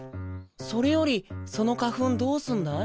それよりその花粉どうすんだい？